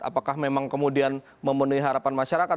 apakah memang kemudian memenuhi harapan masyarakat